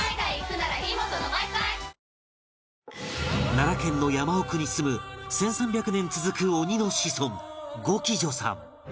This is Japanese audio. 奈良県の山奥に住む１３００年続く鬼の子孫五鬼助さん